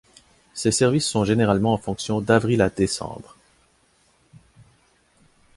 Ces services sont généralement en fonction d'avril à décembre.